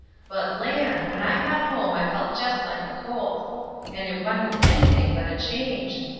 But land! when I got home I felt jest like a colt! And it wa'n't anything but a change.